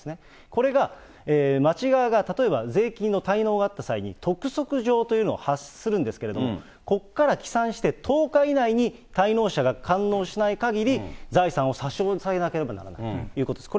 これが町側が例えば税金の滞納があった際に、督促状というのを発するんですけれども、ここから起算して１０日以内に滞納者が完納しないかぎり、財産を差し押さえなければならないということです。